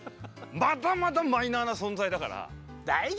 まだまだマイナーな存在だから。